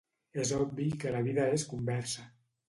És obvi que la vida és conversa.